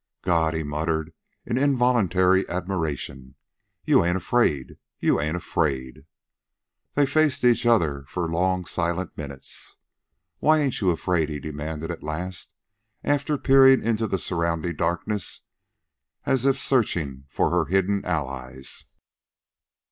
"God!" he muttered in involuntary admiration. "You ain't afraid. You ain't afraid." They faced each other for long silent minutes. "Why ain't you afraid?" he demanded at last, after peering into the surrounding darkness as if searching for her hidden allies.